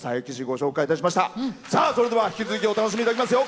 それでは、引き続きお楽しみいただきますよ。